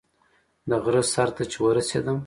د غره سر ته چې ورسېدم.